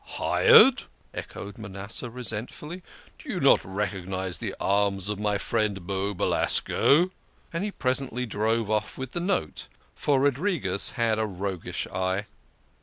"Hired?" echoed Manasseh resentfully. "Do you not recognise the arms of my friend, Beau Belasco ?" And he presently drove off with the note, for Rodriques had a roguish eye.